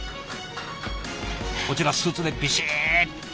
こちらスーツでビシーッと。